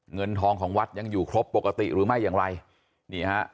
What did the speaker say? เงินทองของวัดยังอยู่ครบปกติหรือไม่อย่างไรนี่ฮะ